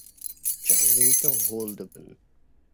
Çavên te hol dibin.